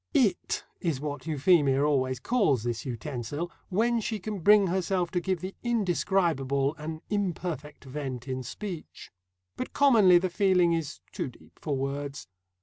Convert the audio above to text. "It" is what Euphemia always calls this utensil, when she can bring herself to give the indescribable an imperfect vent in speech. But commonly the feeling is too deep for words.